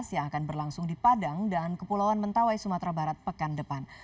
yang akan berlangsung di padang dan kepulauan mentawai sumatera barat pekan depan